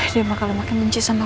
dia akan semakin mencintai saya